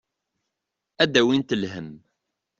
Ad d-awint lhemm.